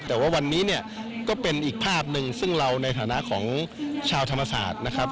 แต่ว่าวันนี้เนี่ยก็เป็นอีกภาพหนึ่งซึ่งเราในฐานะของชาวธรรมศาสตร์นะครับ